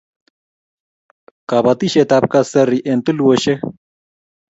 Kapatisiet ab kasari eng' tulweshek